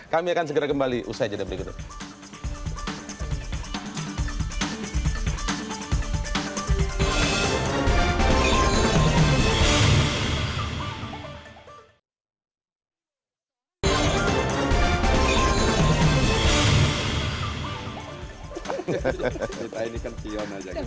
kami akan segera kembali usai saja dan berikutnya